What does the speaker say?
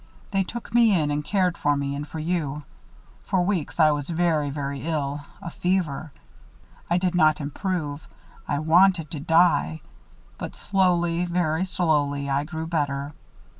They took me in and cared for me and for you. For weeks I was very, very ill a fever. I did not improve I wanted to die. But slowly, very slowly I grew better.